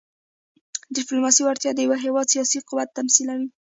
د ډيپلوماسۍ وړتیا د یو هېواد سیاسي قوت تمثیلوي.